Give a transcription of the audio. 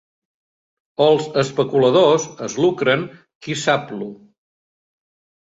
Els especuladors es lucren qui-sap-lo.